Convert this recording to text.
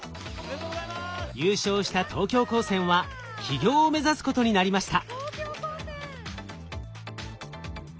優勝した東京高専は起業を目指すことになりました。